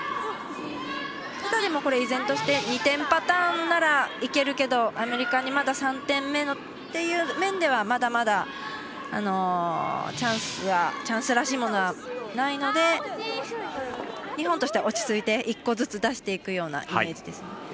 依然として２点パターンならいけるけどアメリカにまだ３点目のっていう面ではまだまだチャンスらしいものはないので日本としては落ち着いて１個ずつ出していくイメージですね。